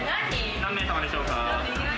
何名様でしょうか。